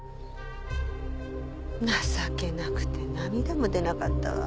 情けなくて涙も出なかったわ。